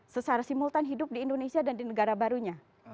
sesar simultan hidup di indonesia dan di negara barunya